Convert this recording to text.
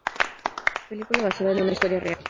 Película basada en una historia real.